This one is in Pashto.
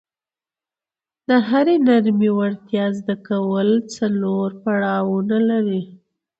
د هرې نرمې وړتیا زده کول څلور پړاونه لري.